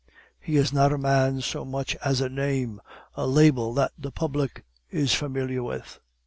He is not a man so much as a name, a label that the public is familiar with.